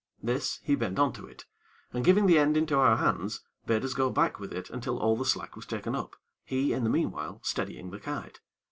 This, he bent on to it, and, giving the end into our hands, bade us go back with it until all the slack was taken up, he, in the meanwhile, steadying the kite.